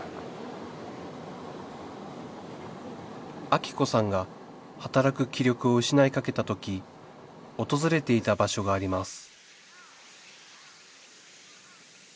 アキ子さんが働く気力を失いかけたとき訪れていた場所があります